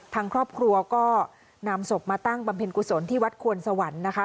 ทางครอบครัวก็นำศพมาตั้งบำเพ็ญกุศลที่วัดควนสวรรค์นะคะ